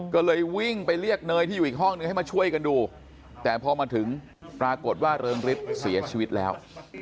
ก็เลยวิ่งไปเรียกเนยที่อยู่อีกห้องนึงให้มาช่วยกันดูแต่พอมาถึงปรากฏว่าเริงฤทธิ์เสียชีวิตแล้ว